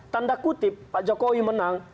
tanda kutip pak jokowi menang